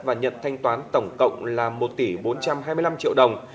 và nhận thanh toán tổng cộng là một tỷ bốn trăm hai mươi năm triệu đồng